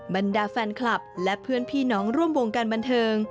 บรรดาแฟนคลับและเพื่อนพี่น้องร่วมวงการบันเทิง